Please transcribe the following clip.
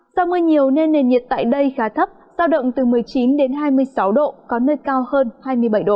đầu nền nền nhiệt tại đây khá thấp sao động từ một mươi chín đến hai mươi sáu độ có nơi cao hơn hai mươi bảy độ